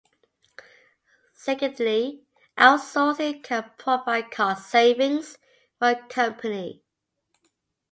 Secondly, outsourcing can provide cost savings for a company.